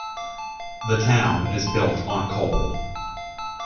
The town is built on coal.